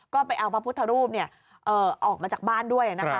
ก็ไปเอาพระพุทธรูปออกมาจากบ้านด้วยนะคะ